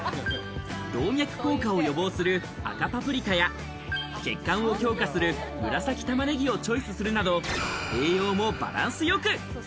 動脈硬化を予防する赤パプリカや血管を強化する紫玉ねぎをチョイスするなど栄養もバランスよく。